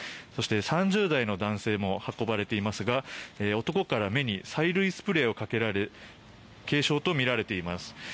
そして、３０代の男性も運ばれていますが男から目に催涙スプレーをかけられ軽傷とみられています。